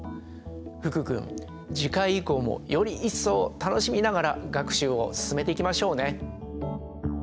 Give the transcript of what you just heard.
福君次回以降もより一層楽しみながら学習を進めていきましょうね。